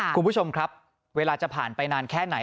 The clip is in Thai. คุณผู้ชมครับเวลาจะผ่านไปนานแค่ไหน